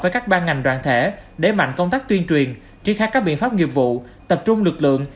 với các ban ngành đoàn thể đẩy mạnh công tác tuyên truyền triển khai các biện pháp nghiệp vụ tập trung lực lượng